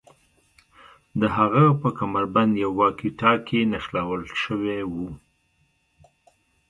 د هغه په کمربند یو واکي ټاکي نښلول شوی و